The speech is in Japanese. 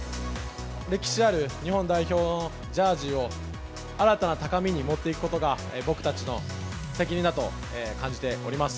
歴史ある日本代表のジャージを、新たな高みに持っていくことが、僕たちの責任だと感じております。